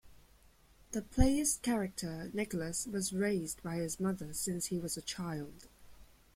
The player's character, Nicholas, was raised by his mother since he was a child.